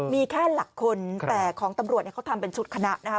มีแค่หลักคนแต่ของตำรวจเขาทำเป็นชุดคณะนะครับ